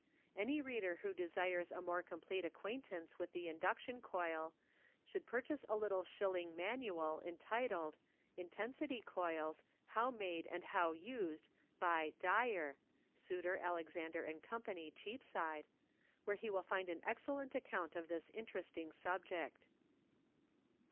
Any reader who desires a more complete acquaintance with the induction coil, should purchase a little shilling manual, entitled, " Intensity Coils, How Made and How Used," by "Dyer" (Suter, Alexander, and Co., Cheapside), where he will find an excellent account of this interesting subject.